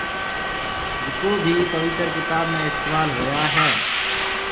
جڪو ڀِي پويتر ڪتاب ۾ اِستعمال هويا هيَ۔